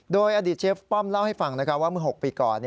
โดยอดีตเชฟป้อมเล่าให้ฟังว่าเมื่อ๖ปีก่อน